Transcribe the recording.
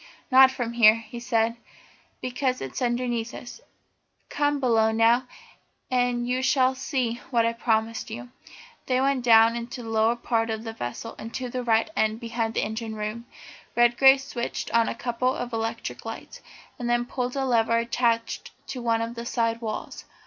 "Not from here," he said, "because it's underneath us. Come below now, and you shall see what I promised you." They went down into the lower part of the vessel and to the after end behind the engine room. Redgrave switched on a couple of electric lights, and then pulled a lever attached to one of the side walls.